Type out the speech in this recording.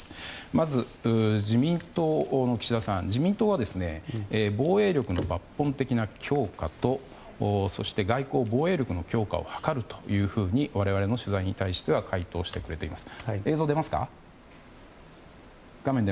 まず自民党の岸田さん自民党は防衛力の抜本的な強化とそして外交・防衛力の強化を図るというふうに我々の取材に対しては回答してくれています。